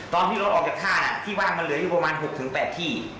ตอนที่รถออกจากท่าที่บ้านมันเหลืออยู่ประมาณ๖๘ที่